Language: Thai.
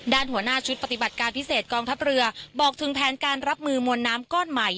หัวหน้าชุดปฏิบัติการพิเศษกองทัพเรือบอกถึงแผนการรับมือมวลน้ำก้อนใหม่